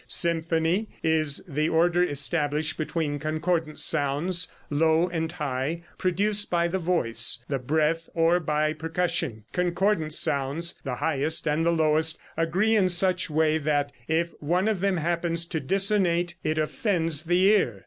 Symphony is the order established between concordant sounds, low and high, produced by the voice, the breath or by percussion. Concordant sounds, the highest and the lowest, agree in such way that if one of them happens to dissonate it offends the ear.